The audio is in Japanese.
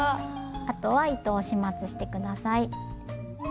あとは糸を始末して下さい。